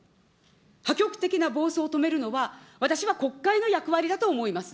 破局的な暴走を止めるのは、私は国会の役割だと思います。